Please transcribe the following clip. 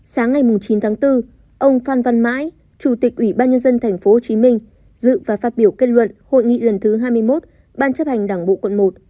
sáng ngày chín tháng bốn ông phan văn mãi chủ tịch ủy ban nhân dân tp hcm dự và phát biểu kết luận hội nghị lần thứ hai mươi một ban chấp hành đảng bộ quận một